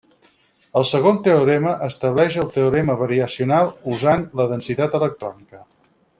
El segon teorema estableix el teorema variacional usant la densitat electrònica.